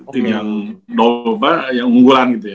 tim yang dobar yang unggulan gitu ya